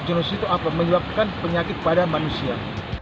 genosis itu apa menyebabkan penyakit pada manusia